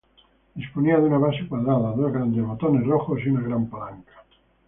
Disponía de una base cuadrada, dos grandes botones rojos y una gran palanca.